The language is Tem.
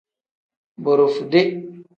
Borofude.